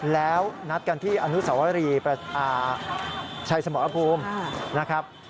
แล้วนัดกันที่อนุสวรีชัยสมรภูมินะครับ